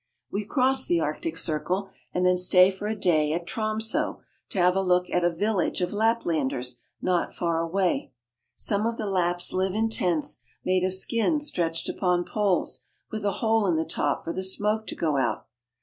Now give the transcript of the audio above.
We cross the Arctic Circle, and then stay for a day at Tromso to have a look at a village of Laplanders not far away. Some of the Lapps live in tents made of skins stretched upon poles, with a hole in the top for the smoke to go out.